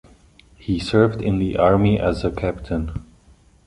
He served in the army as a Captain.